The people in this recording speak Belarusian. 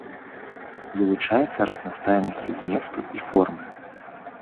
Вылучаецца разнастайнасцю зместу і формы.